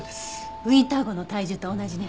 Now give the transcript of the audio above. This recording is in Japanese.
ウィンター号の体重と同じね。